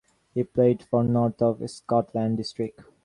He played for North of Scotland District.